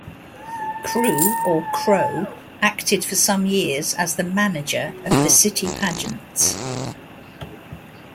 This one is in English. Croo, or Crowe, acted for some years as the 'manager' of the city pageants.